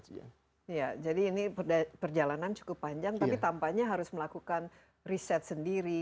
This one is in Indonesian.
iya jadi ini perjalanan cukup panjang tapi tampaknya harus melakukan riset sendiri